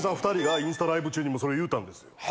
２人がインスタライブ中にもうそれ言うたんですよ。